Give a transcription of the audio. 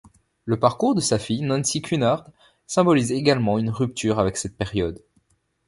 Le parcours de sa fille Nancy Cunard symbolise également une rupture avec cette période.